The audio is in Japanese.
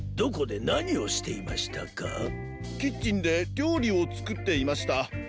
キッチンでりょうりをつくっていました。